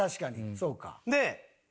そうか。